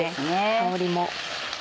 香りも。